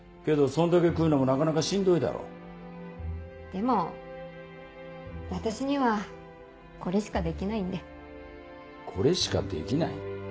そんだけ食うのもなかなかしでも私にはこれしかできないんでこれしかできない？